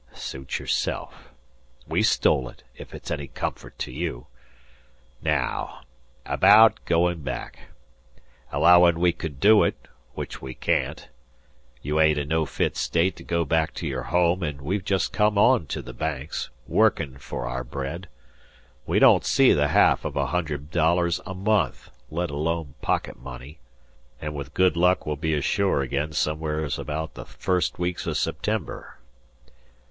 "Suit yourself. We stole it ef it's any comfort to you. Naow, abaout goin' back. Allowin' we could do it, which we can't, you ain't in no fit state to go back to your home, an' we've jest come on to the Banks, workin' fer our bread. We don't see the ha'af of a hundred dollars a month, let alone pocket money; an' with good luck we'll be ashore again somewheres abaout the first weeks o' September."